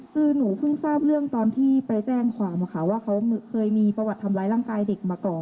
คือหนูเพิ่งทราบเรื่องตอนที่ไปแจ้งความค่ะว่าเขาเคยมีประวัติทำร้ายร่างกายเด็กมาก่อน